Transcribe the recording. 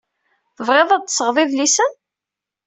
Tebɣiḍ ad d-tesɣeḍ idlisen.